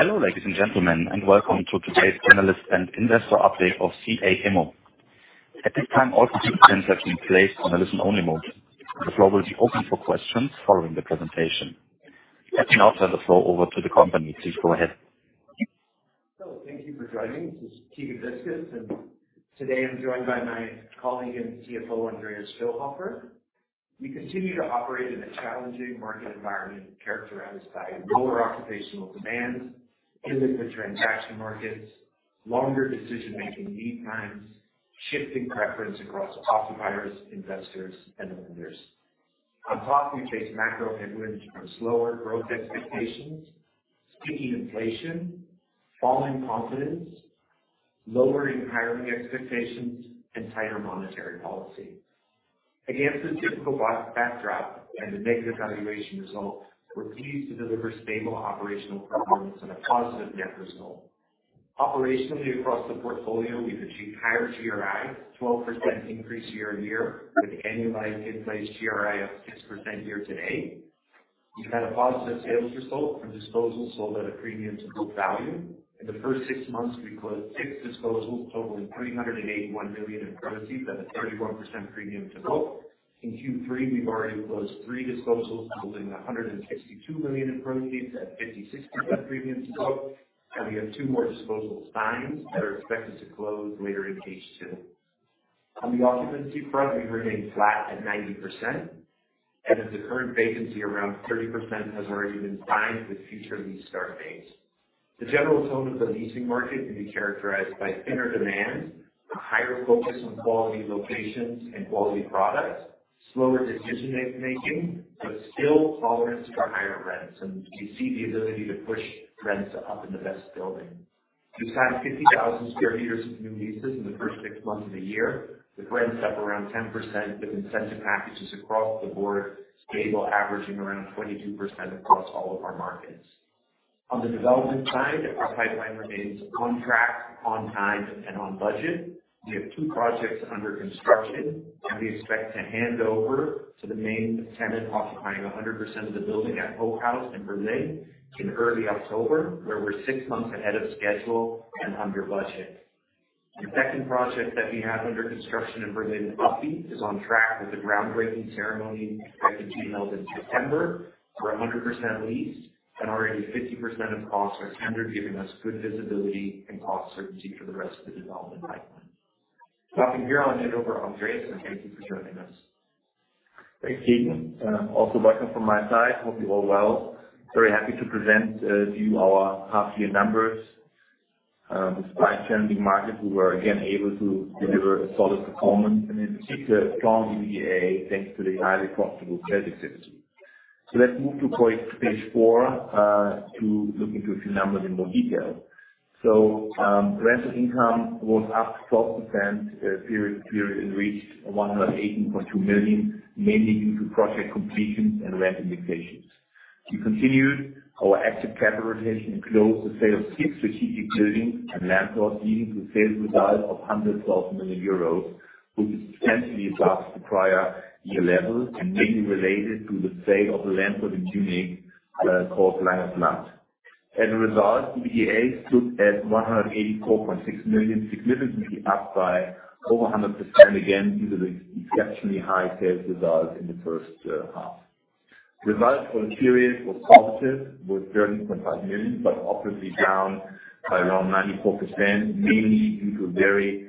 Hello, ladies and gentlemen, and welcome to today's analyst and investor update of CA Immo. At this time, all participants have been placed on a listen-only mode. The floor will be open for questions following the presentation. Let me now turn the floor over to the company. Please go ahead. Thank you for joining. This is Keegan Viscius, and today I'm joined by my colleague and CFO, Andreas Schillhofer. We continue to operate in a challenging market environment, characterized by lower occupational demand, illiquid transaction markets, longer decision-making lead times, shifting preference across buyers, investors, and lenders. On top, we face macro headwinds from slower growth expectations, sticky inflation, falling confidence, lower hiring expectations, and tighter monetary policy. Against this difficult backdrop and the negative valuation results, we're pleased to deliver stable operational performance and a positive net result. Operationally, across the portfolio, we've achieved higher GRI, 12% increase year-on-year, with annualized in-place GRI of 6% year-to-date. We've had a positive sales result from disposals sold at a premium to book value. In the first six months, we closed 6 disposals, totaling 381 million in proceeds at a 31% premium to book. In Q3, we've already closed three disposals, totaling 162 million in proceeds at 56% premium to book. We have two more disposal signs that are expected to close later in H2. On the occupancy front, we remain flat at 90%, as of the current vacancy, around 30% has already been signed with future lease start dates. The general tone of the leasing market can be characterized by thinner demand, a higher focus on quality locations and quality products, slower decision making, but still tolerance for higher rents, and we see the ability to push rents up in the best buildings. We've signed 50,000 sq m of new leases in the first 6 months of the year, with rents up around 10%, with incentive packages across the board, stable, averaging around 22% across all of our markets. On the development side, our pipeline remains on track, on time, and on budget. We have two projects under construction, and we expect to hand over to the main tenant occupying 100% of the building at Hochhaus in Berlin in early October, where we're six months ahead of schedule and under budget. The second project that we have under construction in Berlin, Upbeat, is on track with the groundbreaking ceremony expected to be held in September. We're 100% leased and already 50% of costs are tendered, giving us good visibility and cost certainty for the rest of the development pipeline. Stopping here, I'll hand it over to Andreas, and thank you for joining us. Thanks, Keegan, and also welcome from my side. Hope you're all well. Very happy to present to you our half-year numbers. Despite challenging markets, we were again able to deliver a solid performance and in particular, a strong EBITDA, thanks to the highly profitable business system. Let's move to page 4 to look into a few numbers in more detail. Rental income was up 12%, period-on-period, and reached 118.2 million, mainly due to project completions and rent indexations. We continued our active capital rotation and closed the sale of six strategic buildings and land plots, leading to sales results of 100 million euros, which is substantially above the prior year level and mainly related to the sale of the land plot in Munich, called land plot. As a result, the EBITDA stood at 184.6 million, significantly up by over 100%, again, due to the exceptionally high sales results in the first half. Results for the period were positive, with 30.5 million, but obviously down by around 94%, mainly due to a very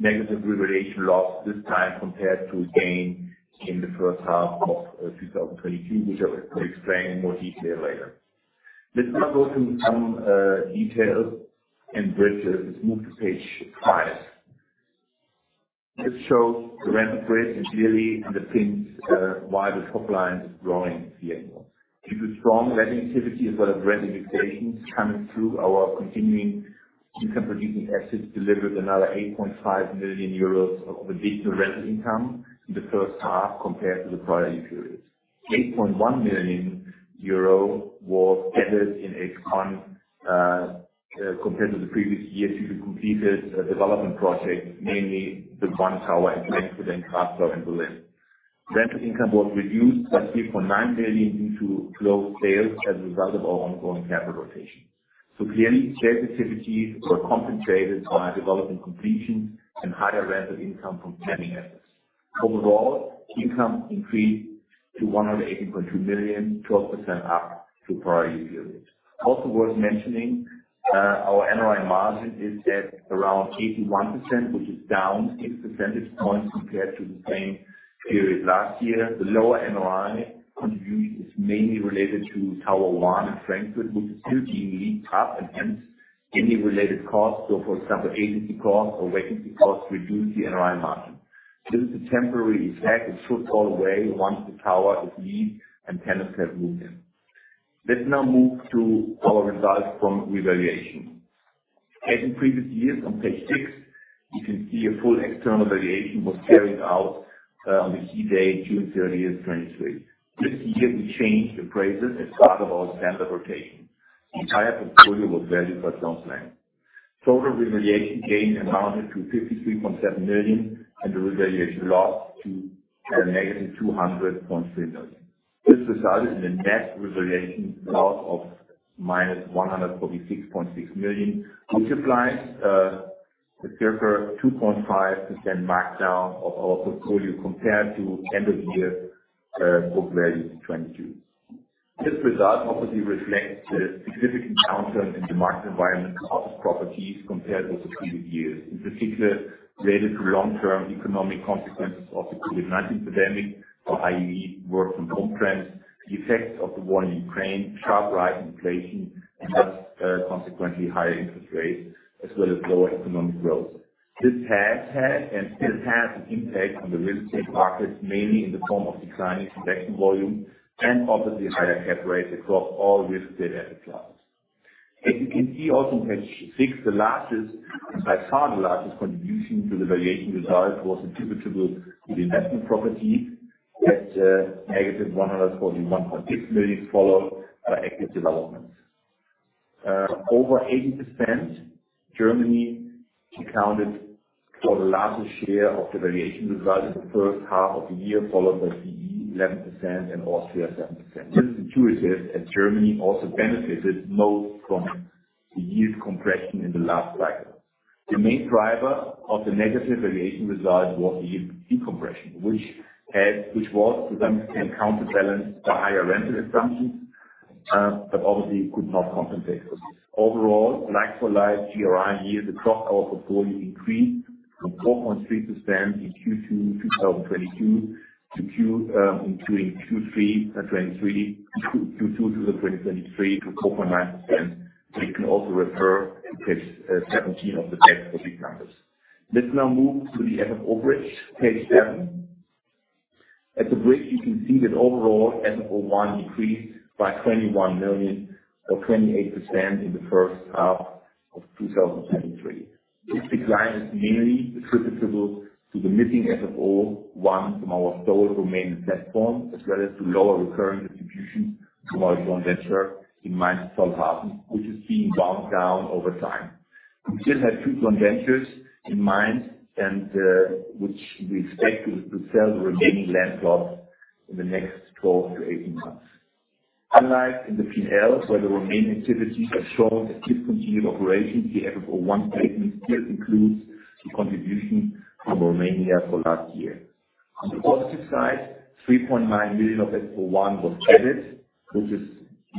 negative revaluation loss this time, compared to a gain in the first half of 2022, which I will explain in more detail later. Let's now go through some details and bridges. Let's move to page 5. This shows the rent spread and clearly underpins why the top line is growing year-on-year. Due to strong letting activity as well as revaluations coming through, our continuing income producing assets delivered another 8.5 million euros of additional rental income in the first half, compared to the prior year period. 8.1 million euro was added in H1, compared to the previous year, due to completed development projects, mainly the ONE tower in Frankfurt and the cube in Berlin. Rental income was reduced by 3.9 million due to low sales as a result of our ongoing capital rotation. So clearly, sales activities were concentrated on development completions and higher rental income from managing efforts. Overall, income increased to 118.2 million, 12% up to prior year period. Also worth mentioning, our NOI margin is at around 81%, which is down 8 percentage points compared to the same period last year. The lower NOI contribution is mainly related to Tower One in Frankfurt, which is still being leased up and hence any related costs. So for example, agency costs or vacancy costs reduce the NOI margin. This is a temporary effect. It should go away once the tower is leased and tenants have moved in. Let's now move to our results from revaluation. As in previous years on page 6, you can see a full external valuation was carried out on the key date, June 30, 2023. This year, we changed appraisers as part of our standard rotation. The entire portfolio was valued by Jones Lang.... Total revaluation gain amounted to 53.7 million, and the revaluation loss to -200.3 million. This resulted in a net revaluation loss of -146.6 million, which applies a circa 2.5% markdown of our portfolio compared to end-of-year book value in 2022. This result obviously reflects the significant downturn in the market environment of properties compared with the previous years, in particular, related to long-term economic consequences of the COVID-19 pandemic, or i.e., work from home trends, the effects of the war in Ukraine, sharp rise in inflation, and thus, consequently, higher interest rates, as well as lower economic growth. This has had and still has an impact on the real estate market, mainly in the form of declining transaction volume and obviously higher cap rates across all risk data classes. As you can see also, page six, the largest, by far the largest contribution to the valuation result was attributable to the investment property at negative 141.6 million, followed by active development. Over 80%, Germany accounted for the largest share of the valuation result in the first half of the year, followed by the 11% and Austria, 7%. This is intuitive, as Germany also benefited most from the yield compression in the last cycle. The main driver of the negative valuation result was the decompression, which was to some extent counterbalanced by higher rental assumptions, but obviously could not compensate for this. Overall, like for like GRI here, the top of our portfolio increased from 4.3% in Q2 2022 to Q, including Q3, 2023, Q2 to 2023 to 4.9%. So you can also refer to page 17 of the deck for the numbers. Let's now move to the FFO bridge, page 7. At the bridge, you can see that overall, FFO 1 decreased by 21 million, or 28% in the first half of 2023. This decline is mainly attributable to the missing FFO 1 from our sole remaining platform, as well as to lower recurring distribution to our joint venture in Mainz-Finthen, which is being wound down over time. We still have two joint ventures in mind, and which we expect to sell the remaining land plots in the next 12-18 months. Unlike in the P&L, where the remaining activities are shown as discontinued operations, the FFO 1 statement still includes the contribution from Romania for last year. On the positive side, 3.9 million of FFO 1 was added, which is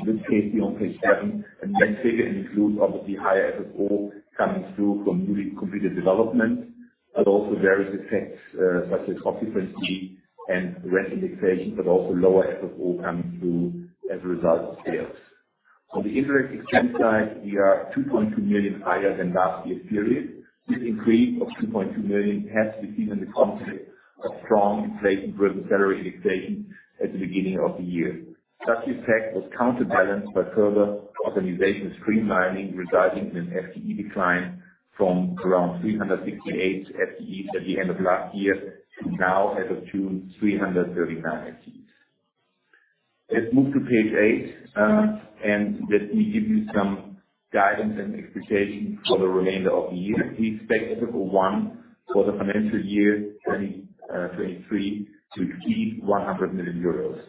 this case here on page 7. That figure includes obviously higher FFO coming through from newly completed development, but also various effects, such as occupancy and rent indexation, but also lower FFO coming through as a result of sales. On the indirect expense side, we are 2.2 million higher than last year period. This increase of 2.2 million has to be seen in the context of strong inflation-driven salary indexation at the beginning of the year. Such impact was counterbalanced by further organization streamlining, resulting in an FTE decline from around 368 FTEs at the end of last year to now as of June, 339 FTEs. Let's move to page 8, and let me give you some guidance and expectations for the remainder of the year. We expect FFO 1 for the financial year 2023 to exceed 100 million euros.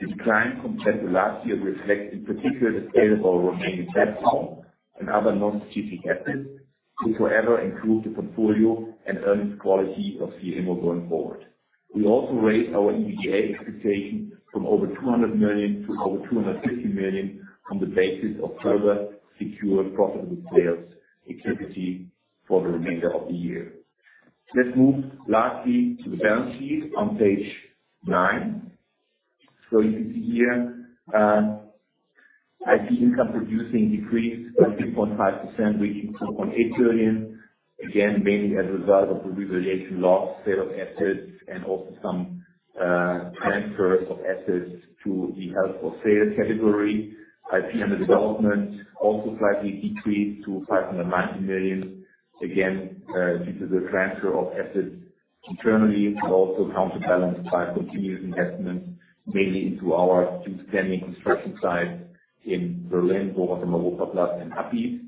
The decline compared to last year reflects in particular, the sale of our remaining platform and other non-strategic assets, which will however improve the portfolio and earnings quality of CA Immo going forward. We also raised our EBITDA expectation from over 200 million to over 250 million, on the basis of further secure profitable sales activity for the remainder of the year. Let's move lastly to the balance sheet on page 9. So you can see here, net income producing decreased by 3.5%, reaching 2.8 billion. Again, mainly as a result of the revaluation loss, sale of assets, and also some transfers of assets to the held for sale category. IP under development also slightly decreased to 590 million. Again, due to the transfer of assets internally, but also counterbalanced by continued investment, mainly into our two standing construction sites in Berlin, Brandenburg, plus in Happy.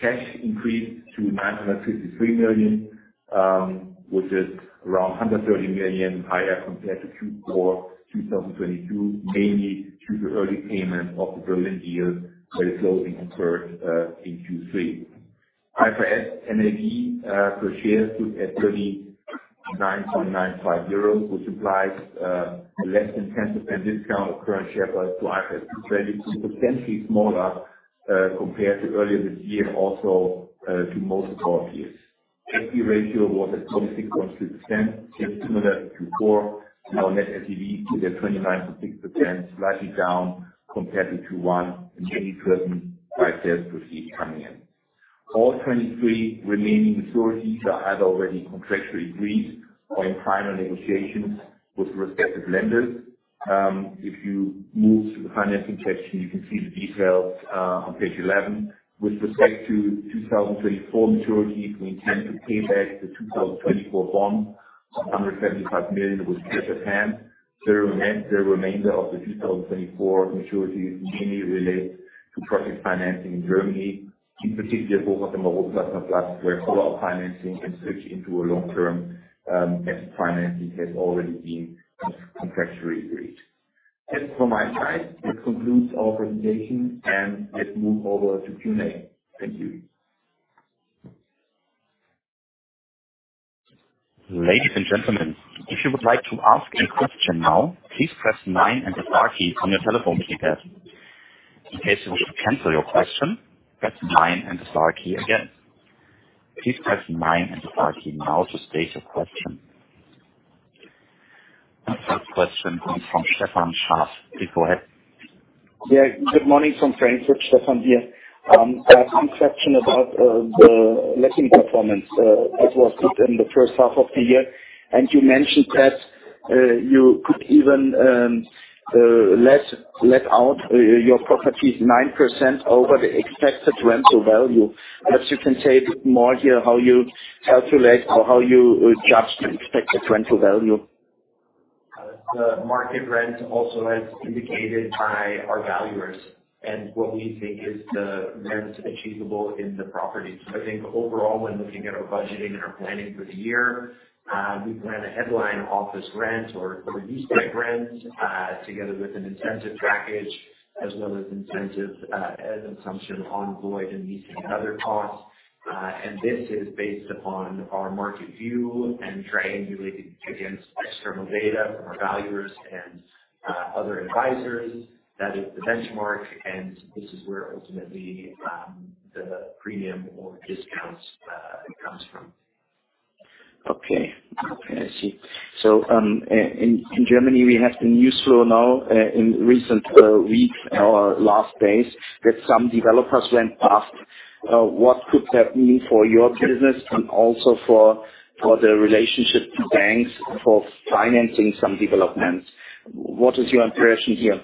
Cash increased to 953 million, which is around 130 million higher compared to Q4 2022, mainly due to early payment of the Berlin deal, that is closing in Q3. IFRS NAV per share stood at 39.95 euros, which applies a less than 10% discount of current share price to IFRS. 22% smaller compared to earlier this year, also to most of our peers. PE ratio was at 36.2%, similar to Q4. Our Net LTV stood at 29.6%, slightly down compared to Q1, and any certain five sales proceeds coming in. All 23 remaining maturities are either already contractually agreed or in final negotiations with the respective lenders. If you move to the financing section, you can see the details on page 11. With respect to 2024 maturities, we intend to pay back the 2024 bond of 175 million with KfW.... The remainder of the 2024 maturities mainly relate to project financing in Germany, in particular, for the Mobil Plaza Plus, where all our financing and switch into a long-term, asset financing has already been contractually agreed. That's for my side. This concludes our presentation, and let's move over to Q&A. Thank you. Ladies and gentlemen, if you would like to ask a question now, please press nine and the star key on your telephone keypad. In case you want to cancel your question, press nine and the star key again. Please press nine and the star key now to state your question. Our first question comes from Stefan Scharff. Please go ahead. Yeah, good morning from Frankfurt, Stefan here. I have one question about the letting performance. It was good in the first half of the year, and you mentioned that you could even let out your properties 9% over the expected rental value. Perhaps you can say a bit more here, how you calculate or how you adjust the expected rental value. The market rent, also as indicated by our valuers and what we think is the rent achievable in the property. I think overall, when looking at our budgeting and our planning for the year, we plan a headline office rent or, or leaseback rent, together with an incentive package, as well as incentive, as assumption on void and leasing and other costs. And this is based upon our market view and triangulated against external data from our valuers and, other advisors. That is the benchmark, and this is where ultimately, the premium or discounts, comes from. Okay. Okay, I see. So, in Germany, we have been hearing now, in recent weeks or last days, that some developers went bust. What could that mean for your business and also for the relationship to banks, for financing some developments? What is your impression here?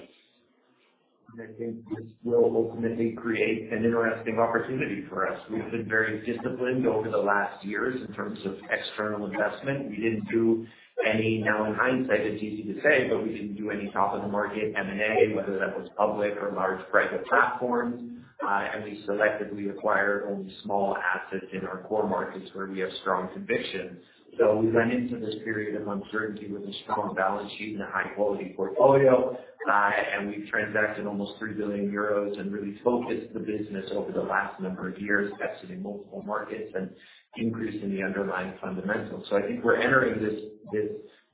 I think this will ultimately create an interesting opportunity for us. We've been very disciplined over the last years in terms of external investment. We didn't do any... Now, in hindsight, it's easy to say, but we didn't do any top of the market M&A, whether that was public or large private platforms. And we selectively acquired only small assets in our core markets where we have strong conviction. So we went into this period of uncertainty with a strong balance sheet and a high-quality portfolio. And we've transacted almost 3 billion euros and really focused the business over the last number of years, exiting multiple markets and increasing the underlying fundamentals. So I think we're entering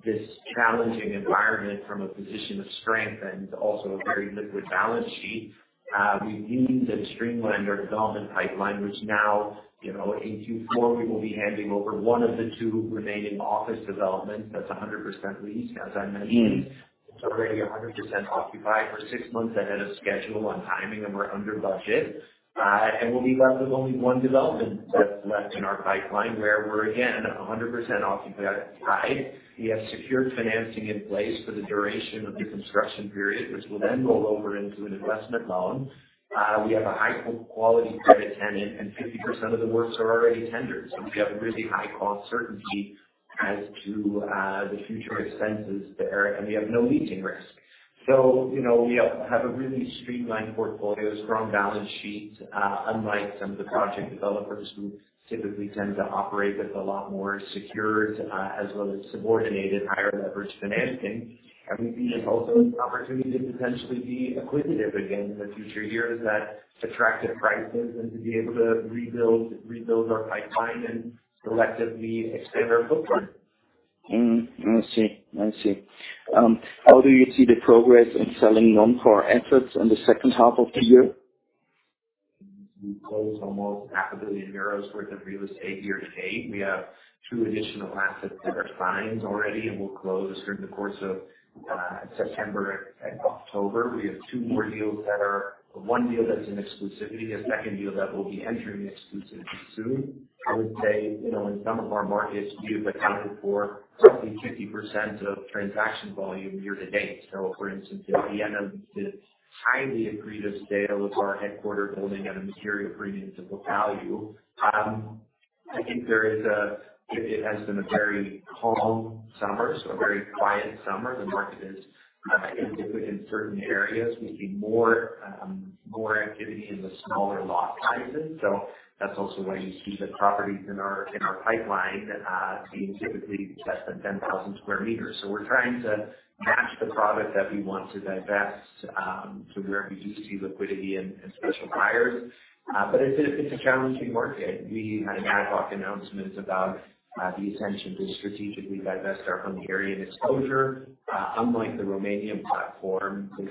this challenging environment from a position of strength and also a very liquid balance sheet. We've leaned and streamlined our development pipeline, which now, you know, in Q4, we will be handing over one of the two remaining office developments that's 100% leased. As I mentioned, it's already 100% occupied for six months ahead of schedule on timing, and we're under budget. And we'll be left with only one development that's left in our pipeline, where we're again 100% occupied. We have secured financing in place for the duration of the construction period, which will then roll over into an investment loan. We have a high quality credit tenant, and 50% of the works are already tendered. So we have really high cost certainty as to the future expenses there, and we have no leasing risk. So, you know, we have a really streamlined portfolio, strong balance sheet, unlike some of the project developers who typically tend to operate with a lot more secured, as well as subordinated, higher leverage financing. We see also an opportunity to potentially be acquisitive again in the future years at attractive prices and to be able to rebuild our pipeline and selectively expand our footprint. Mm. I see. I see. How do you see the progress in selling non-core assets in the second half of the year? We've closed almost EUR 500 million worth of real estate year to date. We have two additional assets that are signed already and will close during the course of September and, and October. We have two more deals that are... One deal that is in exclusivity, a second deal that will be entering exclusivity soon. I would say, you know, in some of our markets, we've accounted for roughly 50% of transaction volume year to date. So for instance, in Vienna, it's highly advanced, a sale of our headquarters building at a material premium to book value. I think it has been a very calm summer, so a very quiet summer. The market is in certain areas we see more activity in the smaller lot sizes. So that's also why you see the properties in our, in our pipeline, being typically less than 10,000 sq m. So we're trying to match the product that we want to divest, to where we do see liquidity and, and special buyers. But it's a challenging market. We had ad hoc announcements about, the intention to strategically divest our Hungarian exposure, unlike the Romanian platform, which,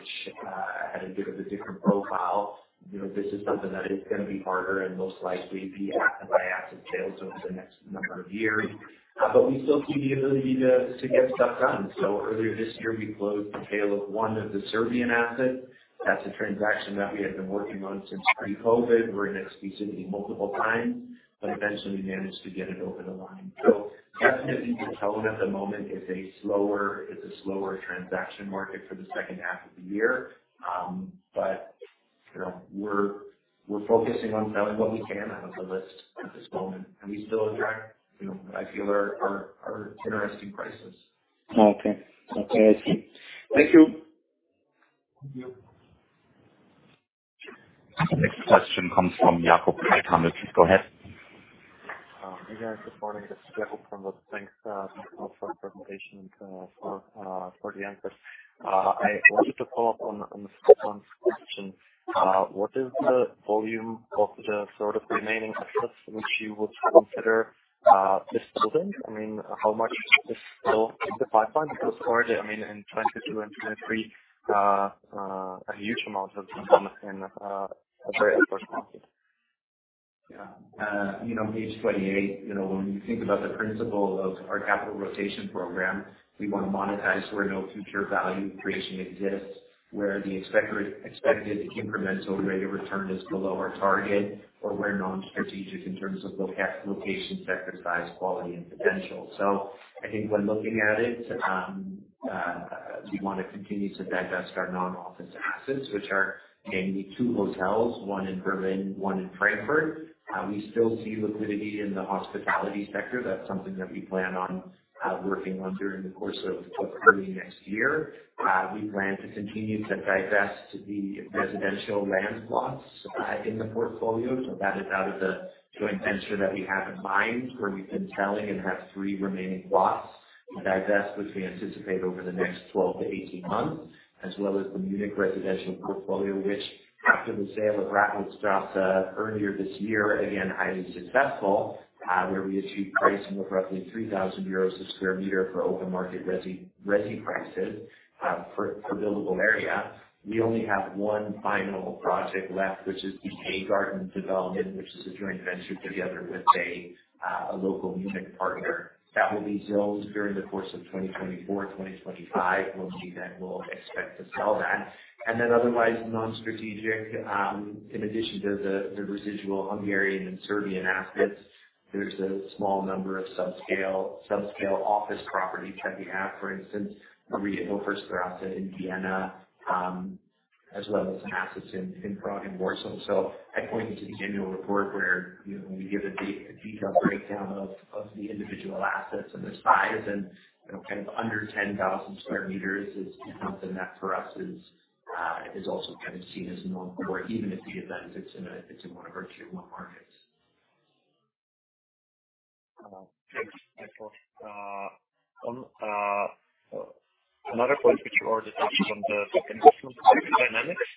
had a bit of a different profile. You know, this is something that is going to be harder and most likely be a, by asset sale over the next number of years. But we still see the ability to, to get stuff done. So earlier this year, we closed the sale of one of the Serbian assets. That's a transaction that we have been working on since pre-COVID. We're in exclusivity multiple times, but eventually managed to get it over the line. So definitely the tone at the moment is a slower, it's a slower transaction market for the second half of the year. You know, we're focusing on selling what we can out of the list at this moment, and we still attract, you know, I feel are interesting prices. Okay. Okay, I see. Thank you. Thank you. The next question comes from Jacob. Please go ahead. Hey, guys, good morning. It's Jacob from the thanks for the presentation and for the answers. I wanted to follow up on Stefan's question. What is the volume of the sort of remaining assets which you would consider dismantling? I mean, how much is still in the pipeline because already, I mean, in 2022 and 2023, a huge amount of them in a very adverse market. Yeah. You know, page 28, you know, when you think about the principle of our capital rotation program, we want to monetize where no future value creation exists, where the expected incremental rate of return is below our target, or where non-strategic in terms of location, sector, size, quality, and potential. So I think when looking at it, we want to continue to divest our non-office assets, which are mainly two hotels, one in Berlin, one in Frankfurt. We still see liquidity in the hospitality sector. That's something that we plan on working on during the course of early next year. We plan to continue to divest the residential land plots in the portfolio. So that is out of the joint venture that we have in mind, where we've been selling and have three remaining plots to divest, which we anticipate over the next 12-18 months. As well as the Munich residential portfolio, which after the sale of Rathausstraße earlier this year, again, highly successful, where we achieved pricing of roughly 3,000 euros a square meter for open market resi prices, for buildable area. We only have one final project left, which is the Eggarten development, which is a joint venture together with a local Munich partner that will be built during the course of 2024-2025. Mostly then we'll expect to sell that. And then otherwise non-strategic, in addition to the residual Hungarian and Serbian assets, there's a small number of subscale office properties that we have. For instance, a retail first Grasa in Vienna, as well as some assets in Prague and Warsaw. So I point you to the annual report where, you know, we give a detailed breakdown of the individual assets and their size. And, you know, kind of under 10,000 sq m is something that for us is also kind of seen as non-core, even if the event it's in a, it's in one of our tier one markets. Thanks, Michael. On another point which you already touched on, the investment dynamics.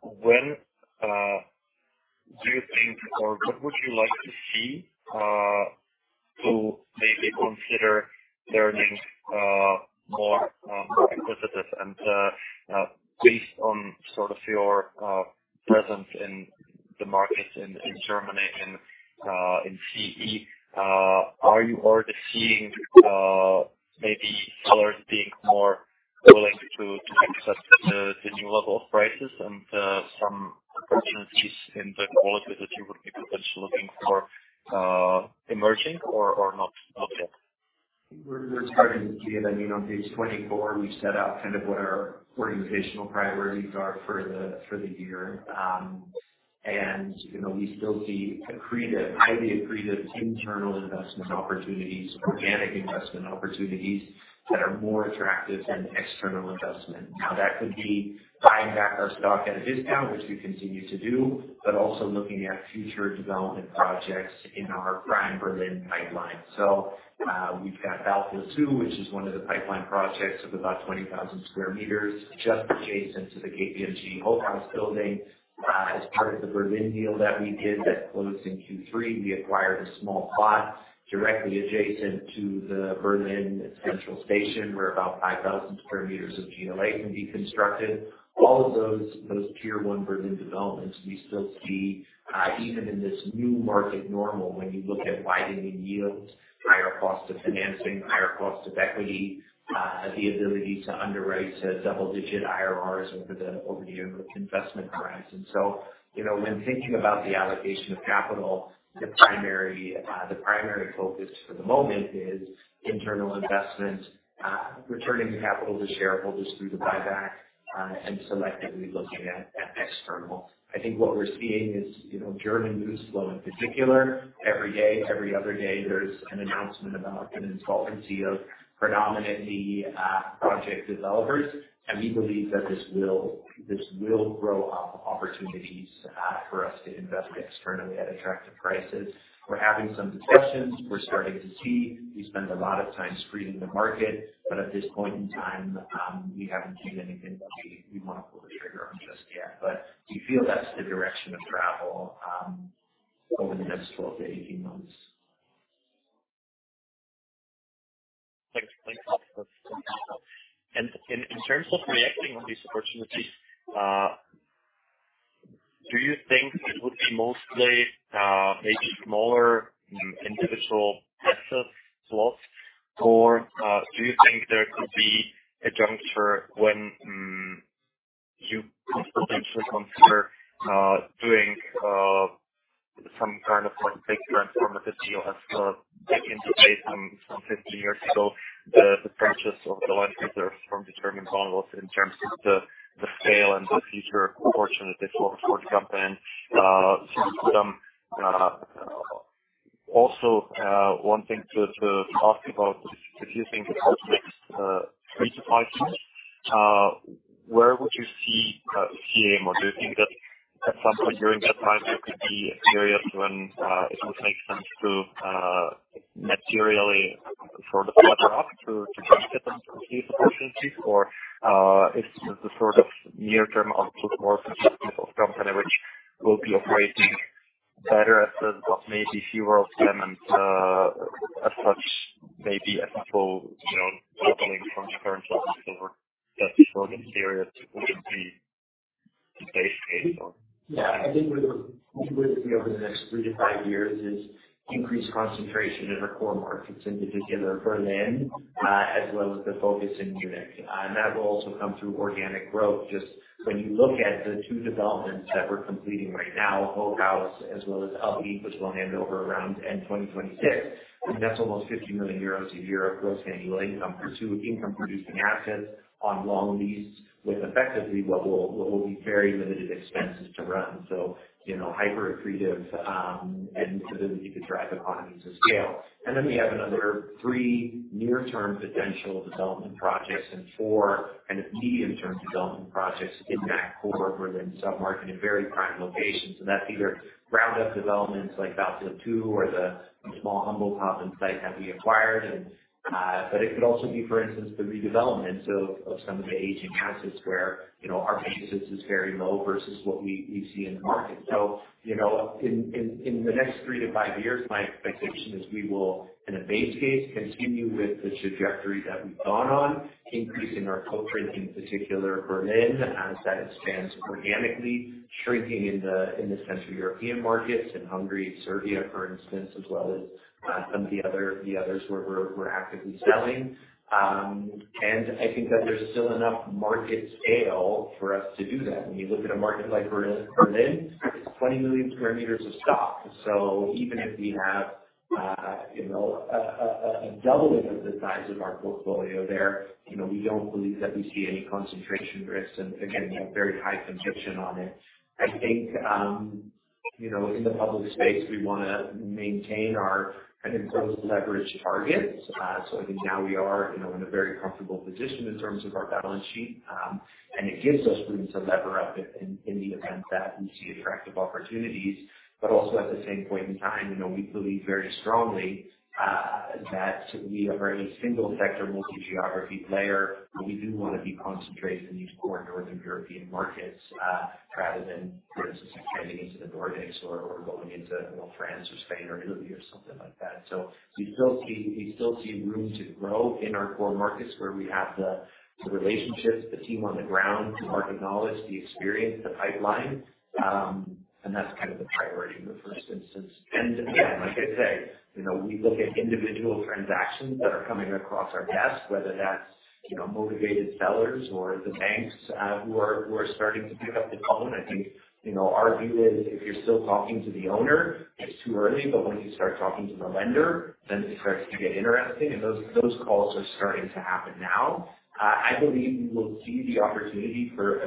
When do you think, or what would you like to see to maybe consider learning more acquisitive? And based on sort of your presence in the markets in Germany and in CE, are you already seeing maybe sellers being more willing to accept the new level of prices and some opportunities in the quality that you would be potentially looking for emerging or not yet? We're starting to see it. I mean, on page 24, we set out kind of what our organizational priorities are for the year. You know, we still see accretive, highly accretive internal investment opportunities, organic investment opportunities that are more attractive than external investment. Now, that could be buying back our stock at a discount, which we continue to do, but also looking at future development projects in our prime Berlin pipeline. So, we've got Alpha 2, which is one of the pipeline projects of about 20,000 sq m, just adjacent to the KPMG Hochhaus building. As part of the Berlin deal that we did that closed in Q3, we acquired a small plot directly adjacent to the Berlin Central Station, where about 5,000 sq m of GLA can be constructed. All of those tier one Berlin developments, we still see even in this new market normal, when you look at widening yields, higher costs of financing, higher costs of equity, the ability to underwrite double-digit IRRs over the investment horizon. So, you know, when thinking about the allocation of capital, the primary focus for the moment is internal investment, returning capital to shareholders through the buyback, and selectively looking at external. I think what we're seeing is, you know, German newsflow in particular, every day, every other day, there's an announcement about an insolvency of predominantly project developers. And we believe that this will grow opportunities for us to invest externally at attractive prices. We're having some discussions. We're starting to see. We spend a lot of time screening the market, but at this point in time, we haven't seen anything that we want to pull the trigger on just yet. But we feel that's the direction of travel, over the next 12-18 months. Thanks. Thanks. In terms of reacting on these opportunities, do you think it would be mostly maybe smaller individual asset plots? Or do you think there could be a juncture when you could potentially consider doing some kind of like big transformative deal has taken place from 15 years ago. The purchase of the rail reserves from Deutsche Bahn in terms of the sale and the future of this company. Also, one thing to ask you about, if you think about the next 3-5 years, where would you see CA Immo? Do you think that at some point during that time there could be a period when it would make sense to materially reconfigure the portfolio to look at M&A opportunities? Is this the sort of near term outlook more of company which will be operating better as but maybe fewer of them, and, as such, maybe a full, you know, bubbling from current level over that period would be the base case or? Yeah, I think what it would be over the next three to five years is increased concentration in our core markets, in particular, Berlin, as well as the focus in Munich. And that will also come through organic growth. Just when you look at the two developments that we're completing right now, Hochhaus as well as Upbeat, which will hand over around end 2026, and that's almost 50 million euros a year of gross annual income for two income producing assets on long leases with effectively what will, what will be very limited expenses to run. So, you know, hyper accretive, and ability to drive economies of scale. And then we have another three near-term potential development projects and four kind of medium-term development projects in that core Berlin sub-market and very prime locations. And that's either ground up developments like or the small Humboldthafen site that we acquired. And, but it could also be, for instance, the redevelopments of some of the aging houses where, you know, our basis is very low versus what we see in the market. So, you know, in the next 3-5 years, my expectation is we will, in a base case, continue with the trajectory that we've gone on, increasing our footprint in particular Berlin, as that expands organically, shrinking in the Central European markets, in Hungary, Serbia, for instance, as well as some of the other, the others where we're actively selling. And I think that there's still enough market scale for us to do that. When you look at a market like Berlin, it's 20 million square meters of stock. So even if we have, you know, a doubling of the size of our portfolio there, you know, we don't believe that we see any concentration risks. And again, we have very high conviction on it. I think, you know, in the public space, we wanna maintain our kind of close leverage targets. So I think now we are, you know, in a very comfortable position in terms of our balance sheet. And it gives us room to lever up in the event that we see attractive opportunities, but also at the same point in time, you know, we believe very strongly that we are very single sector, multi-geography player, but we do want to be concentrated in these core Northern European markets rather than, for instance, expanding into the Nordics or going into, well, France or Spain or Italy or something like that. So we still see, we still see room to grow in our core markets, where we have the relationships, the team on the ground, the market knowledge, the experience, the pipeline, and that's kind of the priority in the first instance. And again, like I say, you know, we look at individual transactions that are coming across our desk, whether that's, you know, motivated sellers or the banks, who are, who are starting to pick up the phone. I think, you know, our view is if you're still talking to the owner, it's too early, but when you start talking to the lender, then it starts to get interesting, and those, those calls are starting to happen now. I believe we will see the opportunity for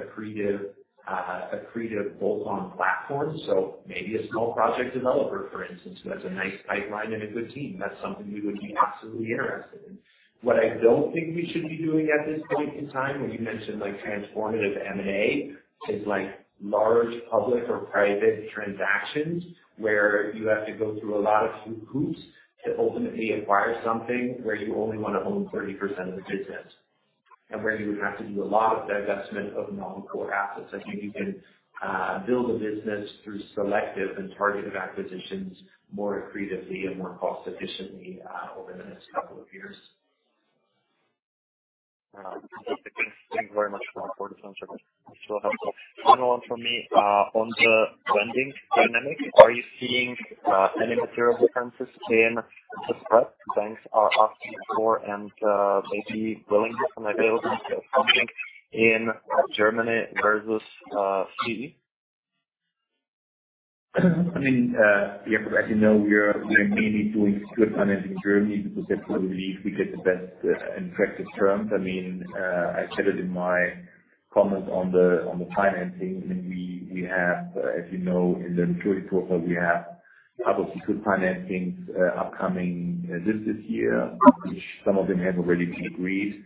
accretive, accretive bolt-on platform. So maybe a small project developer, for instance, who has a nice pipeline and a good team. That's something we would be absolutely interested in. What I don't think we should be doing at this point in time, when you mentioned, like transformative M&A, is like large public or private transactions, where you have to go through a lot of hoops to ultimately acquire something where you only want to own 30% of the business, and where you would have to do a lot of divestment of non-core assets. I think you can build a business through selective and targeted acquisitions more accretively and more cost efficiently over the next couple of years. Thanks. Thanks very much for the inaudible. So helpful. One more from me. On the lending dynamic, are you seeing any material differences in the spread banks are asking for and maybe willingness and availability of funding in Germany versus CE? I mean, yeah, as you know, we are mainly doing good financing in Germany because that's where we get the best and effective terms. I mean, I said it in my comment on the financing. I mean, we have, as you know, in the maturity profile, we have a couple of good financings upcoming just this year. Which some of them have already been agreed,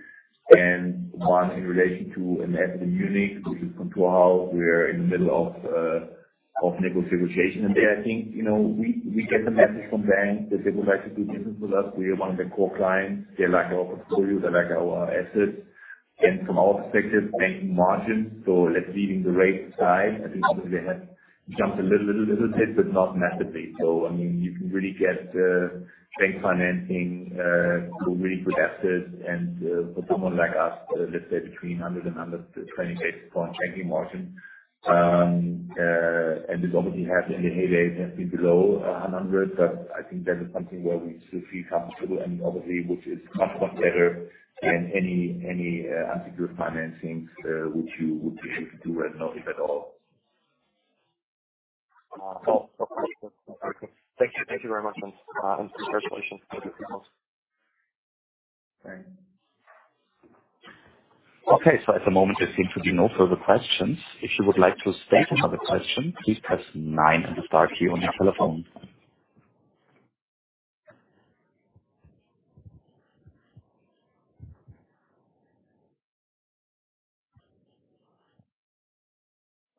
and one in relation to an asset in Munich, which is Kontorhaus. We're in the middle of negotiation, and I think, you know, we get the message from banks that they would like to do business with us. We are one of their core clients. They like our portfolio, they like our assets, and from our perspective, banking margin. So let's leave the rate aside. I think they have jumped a little bit, but not massively. I mean, you can really get bank financing for really good assets. And for someone like us, let's say between 100 and 120 basis points changing margin. And it obviously has in the heyday been below 100, but I think that is something where we still feel comfortable and obviously, which is comfortable better than any secured financings which you would be able to do right now, if at all. Thank you. Thank you very much, and congratulations. Thank you. Okay, so at the moment, there seem to be no further questions. If you would like to state another question, please press nine and the star key on your telephone.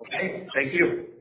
Okay, thank you.